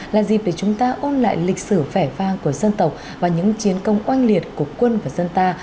là dịp để chúng ta ôn lại lịch sử vẻ vang của dân tộc và những chiến công oanh liệt của quân và dân ta